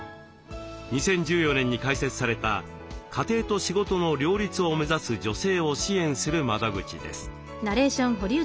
２０１４年に開設された家庭と仕事の両立を目指す女性を支援する窓口です。